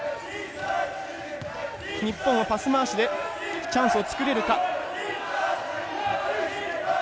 日本はパス回しでチャンスを作れるか？